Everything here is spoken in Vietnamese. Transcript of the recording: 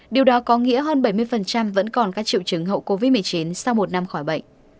điều đó có nghĩa hơn bảy mươi vẫn còn các triệu chứng hậu covid một mươi chín sau một năm khỏi bệnh